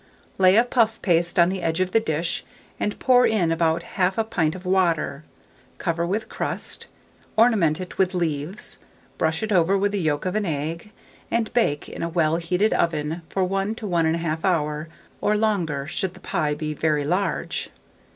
Lay a puff paste on the edge of the dish, and pour in about 1/2 pint of water; cover with crust, ornament it with leaves, brush it over with the yolk of an egg, and bake in a well heated oven for 1 to 1 1/2 hour, or longer, should the pie be very large.